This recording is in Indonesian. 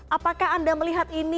apakah anda melihat ini